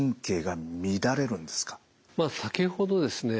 先ほどですね